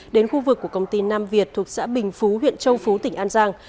đến khu vực của công ty nam việt thuộc xã bình phú huyện châu phú tỉnh an giang